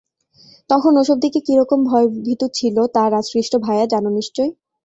তখন ওসব দিকে কি রকম ভয়ভীতু ছিল, তা রাজকৃষ্ট ভায়া জানো নিশ্চয়।